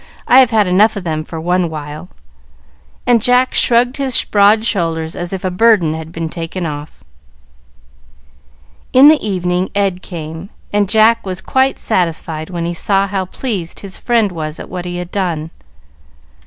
I've had enough of them for one while;" and Jack shrugged his broad shoulders as if a burden had been taken off. In the evening Ed came, and Jack was quite satisfied when he saw how pleased his friend was at what he had done.